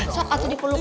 sokak itu dipeluk